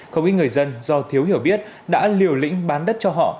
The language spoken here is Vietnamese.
không ít người dân do thiếu hiểu biết đã liều lĩnh bán đất cho họ